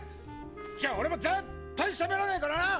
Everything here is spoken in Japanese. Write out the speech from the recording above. じゃ俺も絶ッ対しゃべらねぇからな！